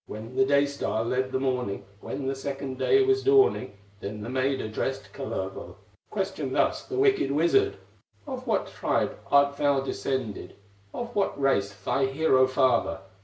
When the day star led the morning, When the second day was dawning, Then the maid addressed Kullervo, Questioned thus the wicked wizard: "Of what tribe art thou descended, Of what race thy hero father?